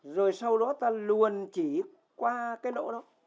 rồi sau đó ta luồn chỉ qua cái lỗ đó